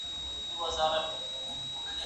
ځيني وختونه لفظي يا فزيکي برخوردونه راغلي دي.